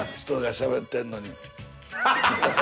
人がしゃべってるのに。